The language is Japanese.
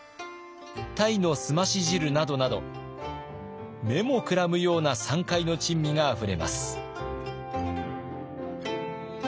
タイの澄まし汁などなど目もくらむような山海の珍味があふれます。